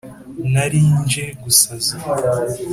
Nari nje gusaza.